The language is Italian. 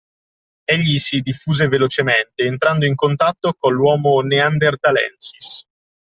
Egli si diffuse velocemente entrando in contatto coll'Homo Neanderthalensis.